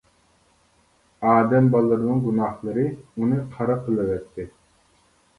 ئادەم بالىلىرىنىڭ گۇناھلىرى ئۇنى قارا قىلىۋەتتى.